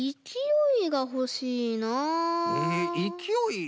いきおい？